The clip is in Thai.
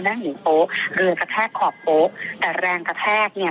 นั่งอยู่โต๊ะเรือกระแทกขอบโต๊ะแต่แรงกระแทกเนี่ย